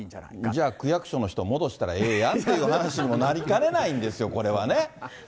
じゃあ、区役所の人戻したらええやんっていう話になりかねないんですよ、これはね。